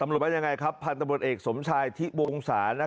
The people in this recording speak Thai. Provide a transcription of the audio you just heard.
หรือว่ายังไงครับพันธบทเอกสมชายที่วงศา